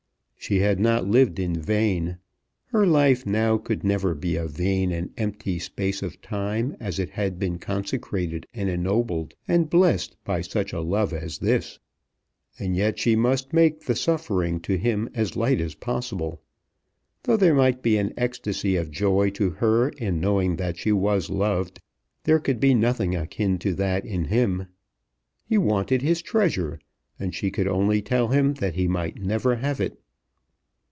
She had not lived in vain. Her life now could never be a vain and empty space of time, as it had been consecrated and ennobled and blessed by such a love as this. And yet she must make the suffering to him as light as possible. Though there might be an ecstasy of joy to her in knowing that she was loved, there could be nothing akin to that in him. He wanted his treasure, and she could only tell him that he might never have it.